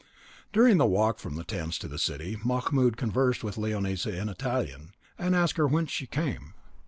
During the long walk from the tents to the city Mahmoud conversed with Leonisa in Italian, and asked her whence she came.